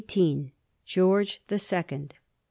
GEORGE THE SECOND.